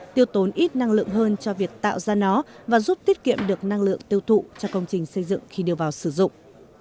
tiêu tốn ít năng lượng hơn cho việc tạo ra nó và giúp tiết kiệm được năng lượng tiêu thụ cho công trình xây dựng khi đưa vào sử dụng